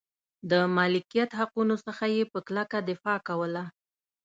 د مالکیت حقونو څخه یې په کلکه دفاع کوله.